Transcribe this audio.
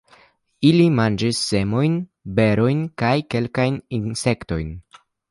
Ili manĝas semojn, berojn kaj kelkajn insektojn.